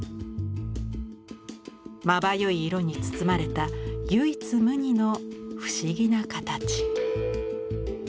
まばゆい色に包まれた唯一無二の不思議なかたち。